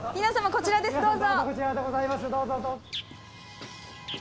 こちらですどうぞ。